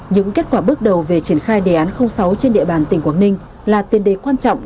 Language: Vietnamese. những kết quả bước đầu về triển khai đề án sáu trên địa bàn tỉnh quảng ninh là tiền đề quan trọng